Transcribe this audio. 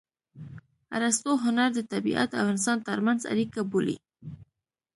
ارستو هنر د طبیعت او انسان ترمنځ اړیکه بولي